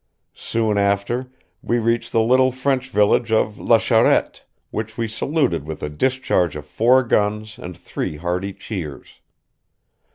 Soon after we reached the little French village of La Charette, which we saluted with a discharge of four guns and three hearty cheers.